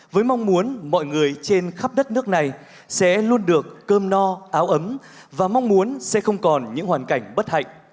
với mong muốn mọi người trên khắp đất nước này sẽ luôn được cơm no áo ấm và mong muốn sẽ không còn những hoàn cảnh bất hạnh